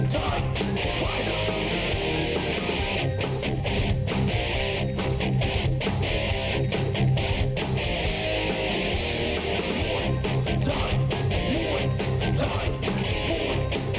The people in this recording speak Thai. สวัสดีครับ